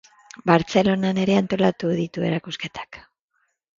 Bartzelonan ere antolatu ditu erakusketak.